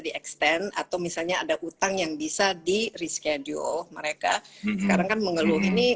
di extend atau misalnya ada utang yang bisa di reschedule mereka sekarang kan mengeluh ini